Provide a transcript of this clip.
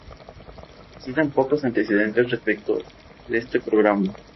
Existen pocos antecedentes respecto de este programa.